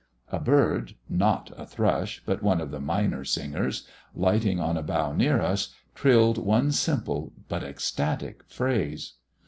A bird, not a thrush, but one of the minor singers, lighting on a bough near us, trilled one simple but ecstatic phrase.